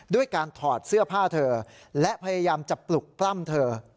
ด้วยการถอดเสื้อผ้าเธอและพยายามจะปลุกปล้ำเธอ